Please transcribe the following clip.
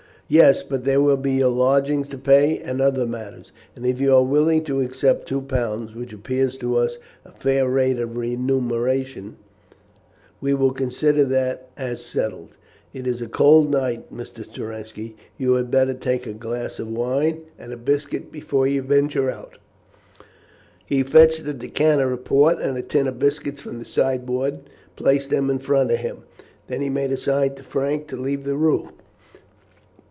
"Yes, but there will be your lodgings to pay, and other matters; and if you are willing to accept two pounds, which appears to us a fair rate of remuneration, we will consider that as settled. It is a cold night, Mr. Strelinski. You had better take a glass of wine and a biscuit before you venture out." He fetched a decanter of port and a tin of biscuits from the sideboard, and placed them in front of him; then he made a sign to Frank to leave the room.